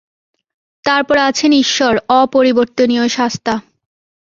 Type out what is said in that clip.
তারপর আছেন ঈশ্বর, অপরিবর্তনীয় শাস্তা।